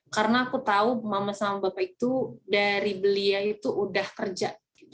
karena aku tahu mama sama bapak itu dari belia itu udah kerja